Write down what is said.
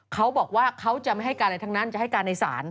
เขาบอกว่าเขาจะไม่ให้การอะไรทั้งนั้นจะให้การในศาล